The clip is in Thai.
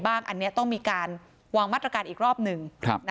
วางมาตรการอีกรอบหนึ่ง